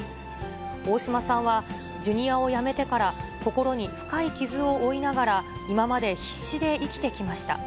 大島さんはジュニアを辞めてから、心に深い傷を負いながら今まで必死で生きてきました。